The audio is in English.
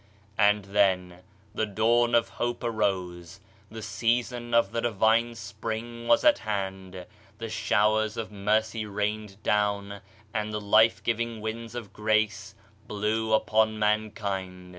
And then the dawn of hope arose, the season of the divine spring was at hand, the showers of mercy rained down, and the life giving winds of grace blew upon mankind.